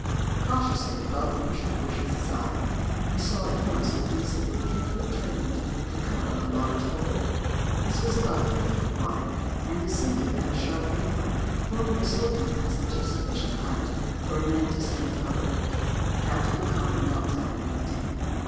Cautiously Ralph pushed the bushes aside. He saw at once that these had been carefully trained to cover a large hole. This was about three feet wide, and descended at a sharp angle, forming a sloping passage of sufficient height for a man to stand upright. Captain O'Connor knelt down and looked in.